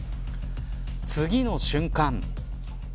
次の瞬間。